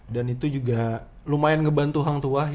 dan itu juga lumayan ngebantu hantuah ya